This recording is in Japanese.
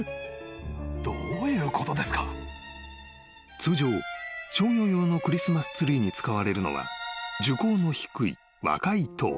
［通常商業用のクリスマスツリーに使われるのは樹高の低い若いトウヒ］